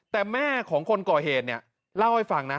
แต่แม่ของคนก่อเหตุเนี่ยเล่าให้ฟังนะ